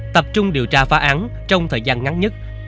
tập trung điều tra phá án trong thời gian ngắn nhất